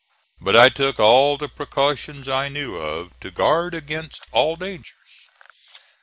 But I took all the precaution I knew of to guard against all dangers.